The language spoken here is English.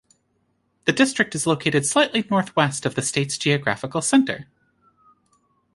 The district is located slightly northwest of the state's geographical center.